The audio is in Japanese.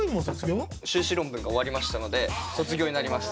修士論文が終わりましたので卒業になります。